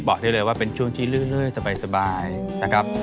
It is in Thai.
บอกได้เลยว่าเป็นช่วงที่เรื่อยสบายนะครับ